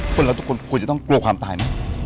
เราทุกคนควรจะต้องกลัวความตายไหม